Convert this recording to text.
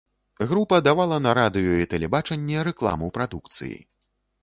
Група давала на радыё і тэлебачанне рэкламу прадукцыі.